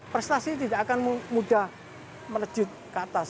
prestasi tidak akan mudah melejut ke atas